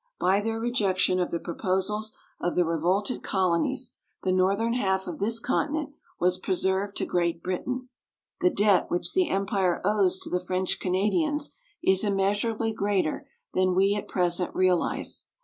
By their rejection of the proposals of the revolted colonies, the northern half of this continent was preserved to Great Britain. The debt which the empire owes to the French Canadians is immeasurably greater than we at present realize.